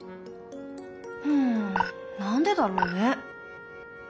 うん何でだろうね？